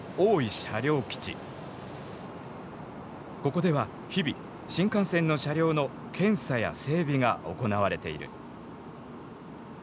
ここでは日々新幹線の車両の検査や整備が行われている。